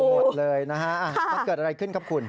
หมดเลยนะฮะมันเกิดอะไรขึ้นครับคุณ